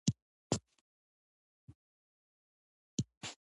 افغانستان د خپل هرات ولایت لپاره مشهور دی.